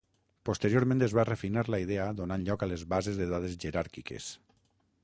Posteriorment es va refinar la idea donant lloc a les bases de dades jeràrquiques.